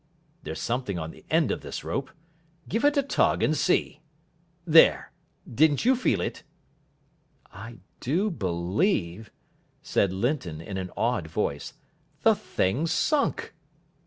There's something on the end of this rope. Give it a tug, and see. There, didn't you feel it?" "I do believe," said Linton in an awed voice, "the thing's sunk."